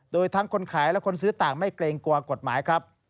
โดยทั้งคนขายและคนซื้อต่างไม่เกรงกลัวกฎหมายครับ